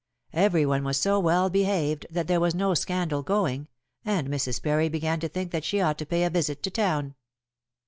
Everyone was so well behaved that there was no scandal going, and Mrs. Parry began to think that she ought to pay a visit to town.